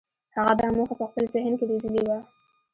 هغه دا موخه په خپل ذهن کې روزلې وه.